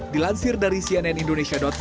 dilansir dari ppr